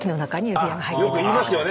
よく言いますよね。